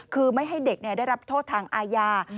คือไม่ให้เด็กได้รับโทษทางอาญา